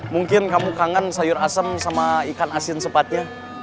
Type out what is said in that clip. mungkin kamu kangen sayur asem sama ikan asin sepatnya